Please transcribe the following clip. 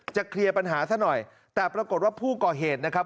เคลียร์ปัญหาซะหน่อยแต่ปรากฏว่าผู้ก่อเหตุนะครับ